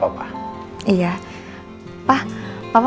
pa papa mau gak kalau misalkan besok dateng ke rumah